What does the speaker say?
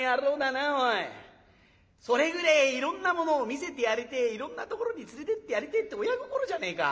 それぐれえいろんなものを見せてやりてえいろんなところに連れてってやりてえって親心じゃねえか。